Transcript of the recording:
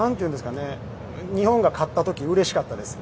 日本が勝った時にうれしかったです。